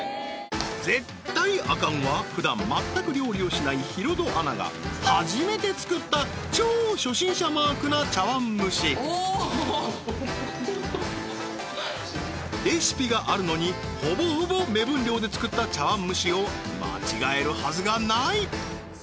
絶対アカンはふだん全く料理をしないヒロドアナが初めて作った超初心者マークな茶碗蒸しレシピがあるのにほぼほぼ目分量で作った茶碗蒸しを間違えるはずがない！